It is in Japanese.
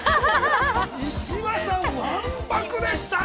石破さん、わんぱくでしたね。